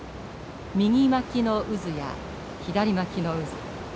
右巻きの渦や左巻きの渦。